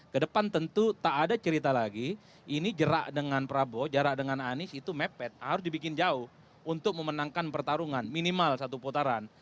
kedepan tentu tak ada cerita lagi ini gerak dengan prabowo jarak dengan anies itu mepet harus dibikin jauh untuk memenangkan pertarungan minimal satu putaran